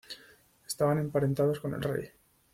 Estaban emparentados con el Rey.